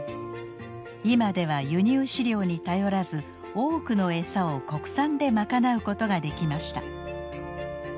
今では輸入飼料に頼らず多くのエサを国産で賄うことができました。